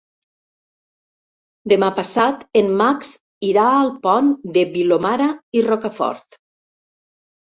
Demà passat en Max irà al Pont de Vilomara i Rocafort.